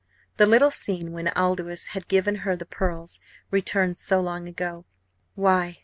The little scene when Aldous had given her the pearls, returned so long ago why!